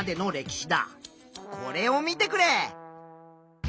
これを見てくれ。